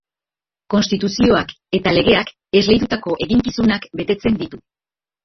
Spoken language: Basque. Konstituzioak eta legeak esleitutako eginkizunak betetzen ditu.